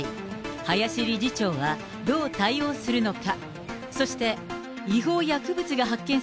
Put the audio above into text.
林理事長はどう対応するのか。